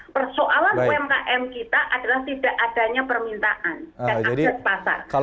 persoalan umkm kita adalah tidak adanya permintaan dan akses pasar